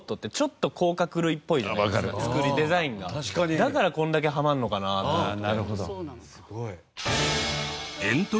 だからこれだけハマるのかなと思って。